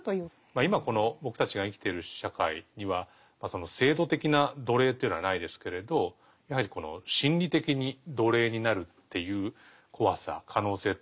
今この僕たちが生きてる社会にはその制度的な奴隷というのはないですけれどやはり心理的に奴隷になるっていう怖さ可能性っていうのは常にある。